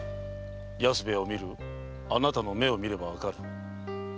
安兵衛を見るあなたの目を見ればわかる。